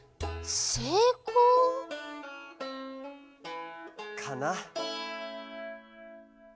せいこう？かな。